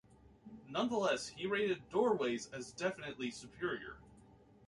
Nonetheless, he rated "Doorways" as "definitely superior.